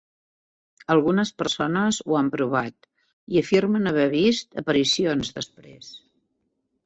Algunes persones ho han provat i afirmen haver vist aparicions després.